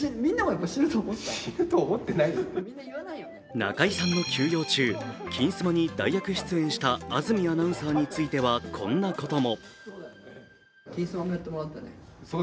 中居さんの休養中、「金スマ」に代役出演した安住アナウンサーについてはこんなことも。